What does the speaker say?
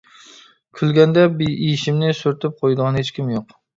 كۈلگەندە يېشىمنى سۈرتۈپ قويىدىغان ھېچكىم يوق.